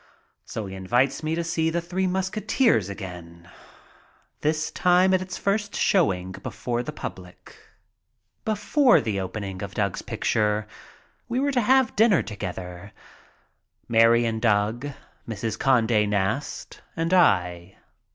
So he invites me to see "The Three Musketeers" again. This time ^t its first showing before the public, 10 MY TRIP ABROAD Before the opening of Doug's picture we were to have dinner together, Mary and Doug, Mrs. Conde Nast and I.